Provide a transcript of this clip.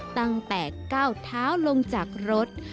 ตั้งแต่ก้าวเท้าลงจากรถ